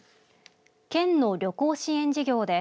県の旅行支援事業で